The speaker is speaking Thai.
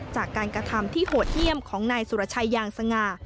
จากการกระทำที่โหดเยี่ยมของนายสุรชัยยางสง่า